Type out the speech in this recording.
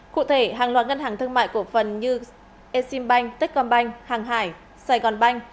cụ thể hàng loạt ngân hàng thương mại cổ phần như exim bank techcom bank hàng hải sài gòn bank